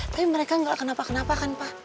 tapi mereka nggak kenapa kenapa kan pak